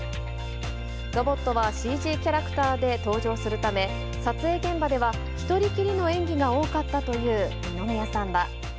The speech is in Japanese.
ロボットはＣＧキャラクターで登場するため、撮影現場では、１人きりの演技が多かったという二宮さんは。